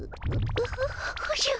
おおじゃ。